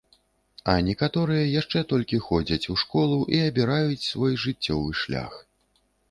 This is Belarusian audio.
А некаторыя яшчэ толькі ходзяць у школу і абіраюць свой жыццёвы шлях.